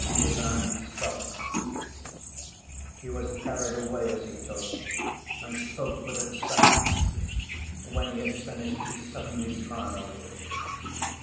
_'" Ivan stopped. He was carried away as he talked, and spoke with excitement; when he had finished, he suddenly smiled.